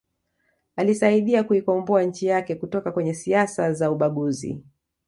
Alisaidia kuikomboa nchi yake kutoka kwenye siasa za ubaguzi